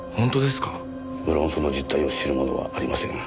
無論その実態を知る者はありません。